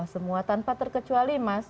semua tanpa terkecuali mas